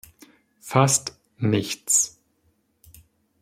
Fast nichts.